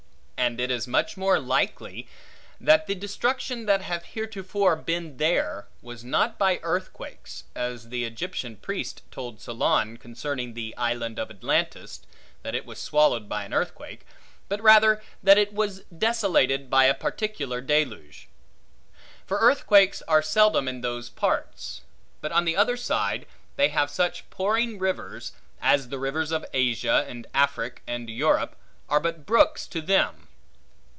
And it is much more likely, that the destruction that hath heretofore been there, was not by earthquakes (as the Egyptian priest told Solon concerning the island of Atlantis, that it was swallowed by an earthquake), but rather that it was desolated by a particular deluge. For earthquakes are seldom in those parts. But on the other side, they have such pouring rivers, as the rivers of Asia and Africk and Europe, are but brooks to them.